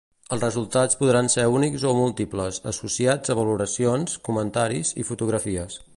Els resultats podran ser únics o múltiples, associats a valoracions, comentaris i fotografies.